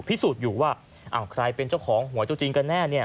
พิสูจน์อยู่ว่าอ้าวใครเป็นเจ้าของหวยตัวจริงกันแน่